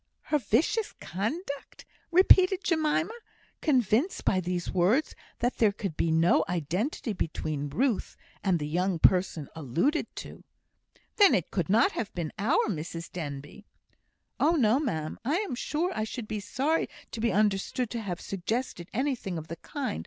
"Her vicious conduct!" repeated Jemima, convinced by these words that there could be no identity between Ruth and the "young person" alluded to. "Then it could not have been our Mrs Denbigh." "Oh, no, ma'am! I am sure I should be sorry to be understood to have suggested anything of the kind.